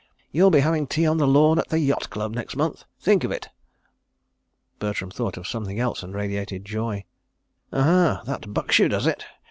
... You'll be having tea on the lawn at the Yacht Club next month—think of it!" Bertram thought of something else and radiated joy. "Aha! That bucks you, does it?